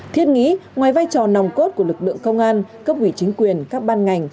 thiết nghĩ ngoài vai trò nòng cốt của lực lượng công an cấp ủy chính quyền các ban ngành